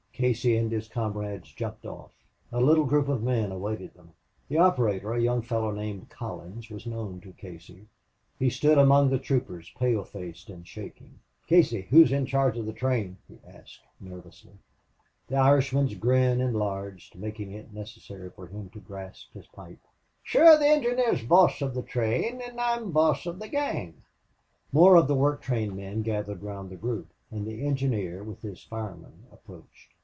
Casey and his comrades jumped off. A little group of men awaited them. The operator, a young fellow named Collins, was known to Casey. He stood among the troopers, pale faced and shaking. "Casey, who's in charge of the train?" he asked, nervously. The Irishman's grin enlarged, making it necessary for him to grasp his pipe. "Shure the engineer's boss of the train an' I'm boss of the gang." More of the work train men gathered round the group, and the engineer with his fireman approached.